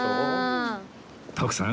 徳さん